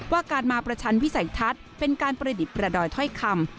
ว่าการมาประชันวิสัยทัศน์เป็นการประดิษฐ์ประดอยถ้อยคำ